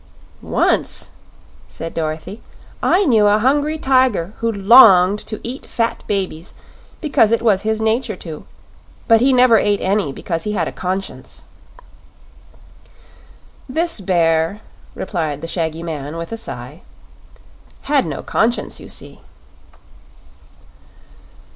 "Once," said Dorothy, "I knew a Hungry Tiger who longed to eat fat babies, because it was his nature to; but he never ate any because he had a Conscience." "This bear," replied the shaggy man, with a sigh, "had no Conscience, you see."